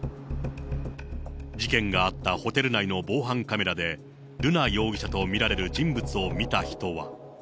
事件があったホテル内の防犯カメラで、瑠奈容疑者と見られる人物を見た人は。